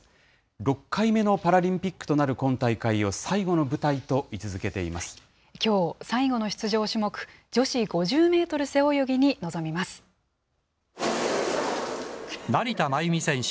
６回目のパラリンピックとなる今大会を最後の舞台と位置づけていきょう、最後の出場種目、女成田真由美選手